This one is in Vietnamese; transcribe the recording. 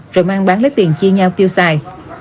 rồi mang bán lấy tiền chia nhau tiêu xài